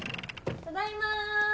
ただいま！